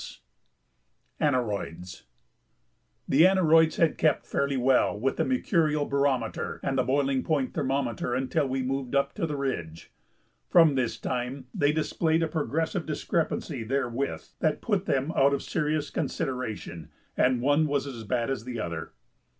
[Sidenote: Aneroids] The aneroids had kept fairly well with the mercurial barometer and the boiling point thermometer until we moved to the ridge; from this time they displayed a progressive discrepancy therewith that put them out of serious consideration, and one was as bad as the other.